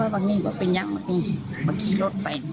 แล้วบางนี้ก็เป็นยังตัวตรงนี้บางทีรถไป